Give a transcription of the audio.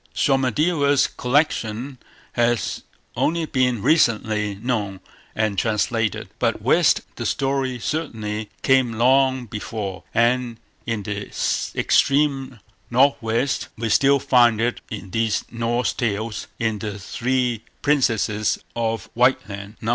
Somadeva's collection has only been recently known and translated. But west the story certainly came long before, and in the extreme north west we still find it in these Norse Tales in "The Three Princesses of Whiteland", No.